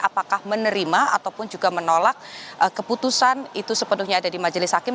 apakah menerima ataupun juga menolak keputusan itu sepenuhnya ada di majelis hakim